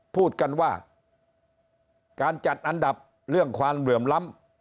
พูดกันว่าการจัดอันดับเรื่องความเหลื่อมล้ำ